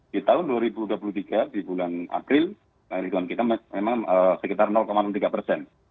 di tahun dua ribu dua puluh tiga di bulan april kita memang sekitar tiga persen